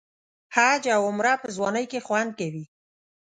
حج او عمره په ځوانۍ کې خوند کوي.